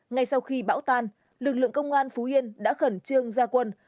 ngay sau khi bão tan lực lượng công an phú yên đã khẩn trương ra quân